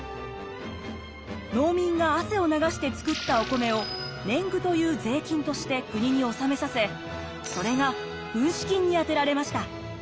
農民が汗を流して作ったお米を年貢という税金として国に納めさせそれが軍資金に充てられました。